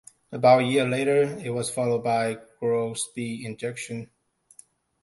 About a year later, it was followed by "Grow-Speed Injection".